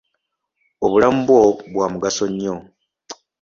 Obulamu bwo bwa mugaso nnyo.